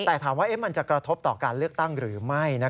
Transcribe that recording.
แต่ถามว่ามันจะกระทบต่อการเลือกตั้งหรือไม่